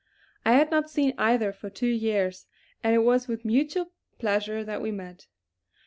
I had not seen either for two years, and it was with mutual pleasure that we met.